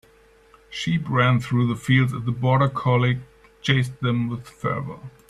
Sheep ran through the fields as the border collie chased them with fervor.